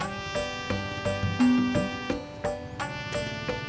tidak ada yang bisa diberikan